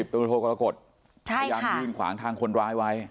ตัวโกรกฎพยายามยืนขวางทางคนร้ายไว้